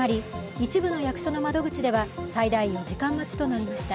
一部の役所の窓口では最大４時間待ちとなりました。